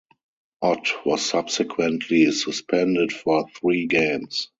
Ott was subsequently suspended for three games.